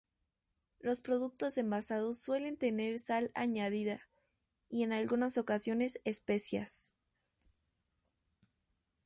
Los productos envasados suelen tener sal añadida, y en algunas ocasiones especias.